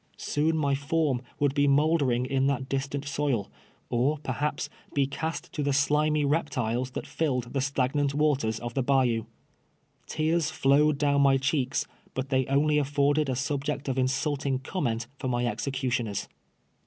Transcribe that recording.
Soon my form would be mouldering in that distant soil, or, per haps, be cast to the slimy reptiles that filled the stag nant waters of the l:)ayou ! Tears flowed down my cheeks, but they only aftorded a suljject of insulting comment for my executioners.